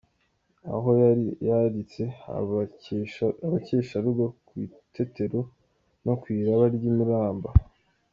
Aho yaritse abakesharugo ku itetero no ku iraba ry’i Muramba